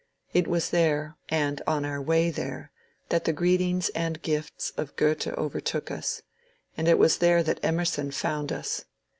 It was there, and on our way there, that the greetings and gifts of Goethe overtook us ; and it was there that Emerson found us.